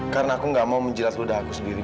karena aku gak mau menjilat ludah aku sendiri mila